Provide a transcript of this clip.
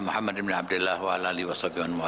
sesuatu yang bermanfaat buat kita